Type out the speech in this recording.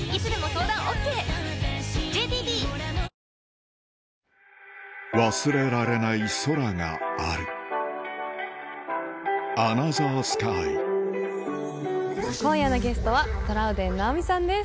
ミライはきっと変えられる忘れられない空がある今夜のゲストはトラウデン直美さんです。